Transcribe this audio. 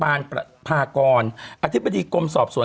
ประพากรอธิบดีกรมสอบสวน